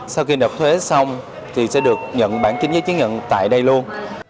sau khi nộp thuế xong thì sẽ được nhận bản chính giới chứng nhận tại đây luôn